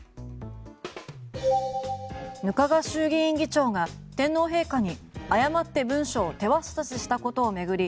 額賀衆議院議長が天皇陛下に誤って文章を手渡ししたことを巡り